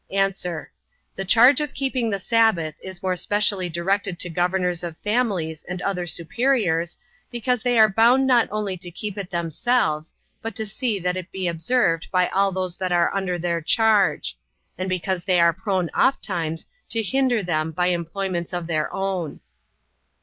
A. The charge of keeping the sabbath is more specially directed to governors of families, and other superiors, because they are bound not only to keep it themselves, but to see that it be observed by all those that are under their charge; and because they are prone ofttimes to hinder them by employments of their own.